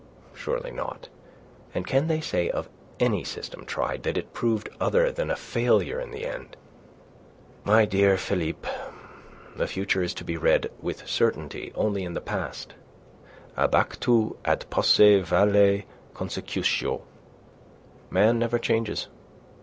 Surely not. And can they say of any system tried that it proved other than a failure in the end? My dear Philippe, the future is to be read with certainty only in the past. Ab actu ad posse valet consecutio. Man never changes.